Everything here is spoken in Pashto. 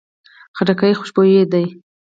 خټکی خوشبویه ده.